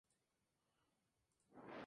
Durante su juventud fue modelo.